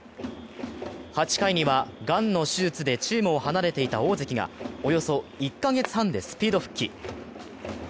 ８回には、がんの手術でチームを離れていた大関がおよそ１か月半でスピード復帰。